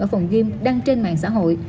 ở phòng gym đang trên mạng xã hội